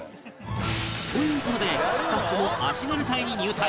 という事でスタッフも足軽隊に入隊！